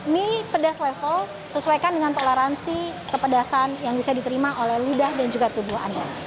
mie pedas level sesuaikan dengan toleransi kepedasan yang bisa diterima oleh lidah dan juga tubuh anda